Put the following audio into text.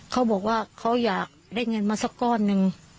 เขาบอกว่าเขาอยากได้เงินมาสักก้อนหนึ่ง